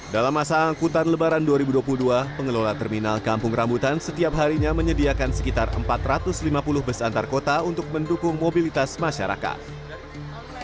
dalam masa angkutan lebaran dua ribu dua puluh dua pengelola terminal kampung rambutan setiap harinya menyediakan sekitar empat ratus lima puluh bus antar kota untuk mendukung mobilitas masyarakat